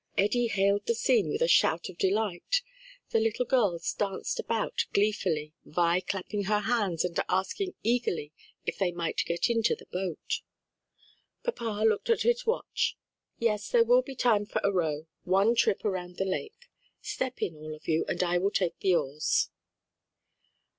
Eddie hailed the scene with a shout of delight; the little girls danced about gleefully, Vi clapping her hands and asking eagerly if they might get into the boat. Papa looked at his watch, "Yes, there will be time for a row; one trip around the lake. Step in, all of you, and I will take the oars."